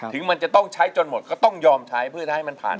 ถึงมันจะต้องใช้จนหมดก็ต้องยอมใช้เพื่อจะให้มันผ่าน